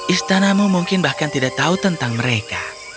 istanamu mungkin bahkan tidak tahu tentang mereka